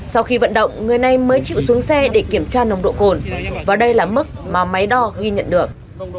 sau khi vận động người này mới chịu xuống xe để kiểm tra nồng độ cồn và đây là mức mà máy đo ghi nhận được